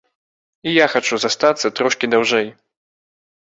І я хачу застацца трошкі даўжэй.